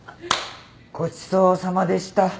ごちそうさまでした。